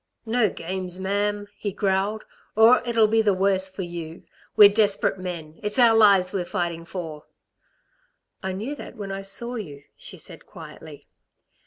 "No games, ma'am," he growled, "or it'll be the worse for you. We're desperate men. It's our lives we're fighting for." "I knew that when I saw you," she said quietly.